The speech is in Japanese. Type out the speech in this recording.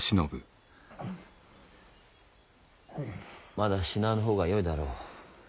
まだ死なぬ方がよいだろう。